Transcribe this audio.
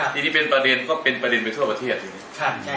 ที่นี่เป็นประเด็นก็เป็นประเด็นไปทั่วประเทศใช่ไหมครับ